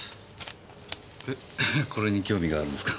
えこれに興味があるんですか？